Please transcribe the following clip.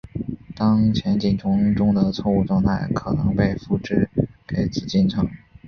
当前进程中的错误状态可能被复制给子进程。